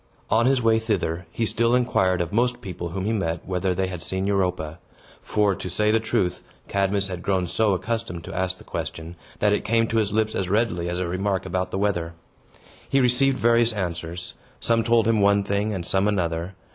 On his way thither, he still inquired of most people whom he met whether they had seen Europa; for, to say the truth, Cadmus had grown so accustomed to ask the question, that it came to his lips as readily as a remark about the weather. He received various answers. Some told him one thing, and some another.